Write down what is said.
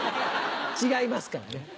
違いますからね。